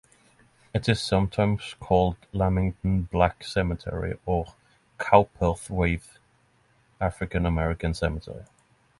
It is sometimes called Lamington Black Cemetery or Cowperthwaite African American Cemetery.